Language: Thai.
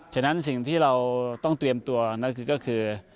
ฉะนั้นสิ่งที่เราต้องเตรียมตัวนั่นก็คือ